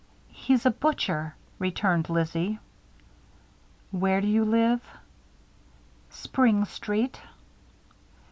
"He's a butcher," returned Lizzie. "Where do you live?" "Spring Street."